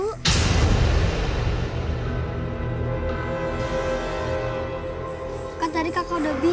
kan tadi kakak udah bilang kalau di rumah itu kosong gak ada apa apa